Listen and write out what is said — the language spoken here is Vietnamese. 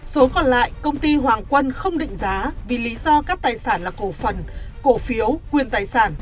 số còn lại công ty hoàng quân không định giá vì lý do các tài sản là cổ phần cổ phiếu quyền tài sản